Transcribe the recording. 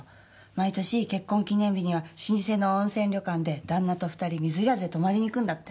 毎年結婚記念日には老舗の温泉旅館で旦那と２人水入らずで泊まりに行くんだって。